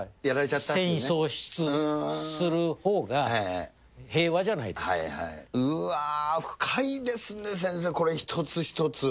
戦意喪失するほうが、平和じゃなうわー、深いですね、先生、これ一つ一つ。